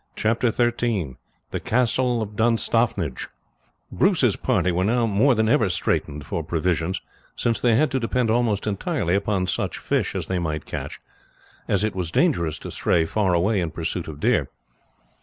Chapter XIII The Castle of Dunstaffnage Bruce's party were now more than ever straitened for provisions, since they had to depend almost entirely upon such fish as they might catch, as it was dangerous to stray far away in pursuit of deer.